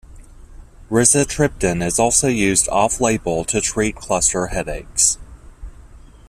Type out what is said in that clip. Rizatriptan is also used off-label to treat cluster headaches.